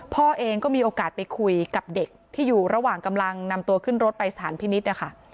พ่อเองก็มีโอกาสไปคุยกับเด็กที่อยู่ระหว่างกำลังนำตัวขึ้นรถไปสถานพินิษฐ์นะคะ